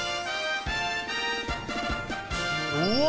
うわ